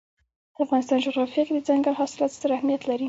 د افغانستان جغرافیه کې دځنګل حاصلات ستر اهمیت لري.